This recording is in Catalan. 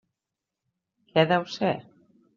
Què deu ser?